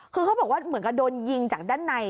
คือเขาบอกว่าเหมือนกับโดนยิงจากด้านใน